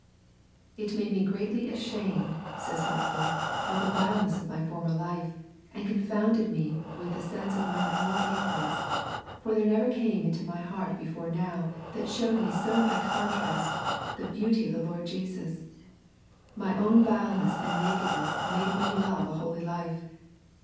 'It made me greatly ashamed,' says Hopeful, 'of the vileness of my former life, and confounded me with the sense of mine own ignorance, for there never came into mine heart before now that showed me so by contrast the beauty of the Lord Jesus. My own vileness and nakedness made me love a holy life.